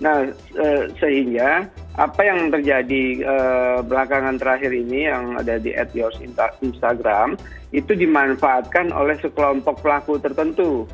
nah sehingga apa yang terjadi belakangan terakhir ini yang ada di ad yours instagram itu dimanfaatkan oleh sekelompok pelaku tertentu